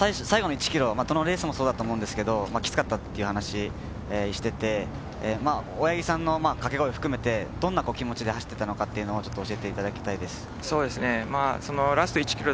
最後の１ｋｍをどのレースもそうだと思うんですけど、きつかったっていう話をしていて、大八木さんのかけ声も含めてどんな気持ちで走っていたのか教えていただきたいです。